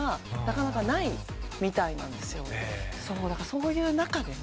そういう中でね